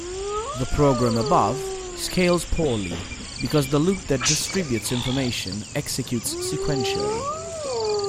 The program above scales poorly because the loop that distributes information executes sequentially.